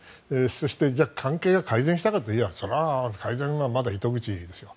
そしてじゃあ関係が改善したかといえばそれは改善はまだ糸口ですよ。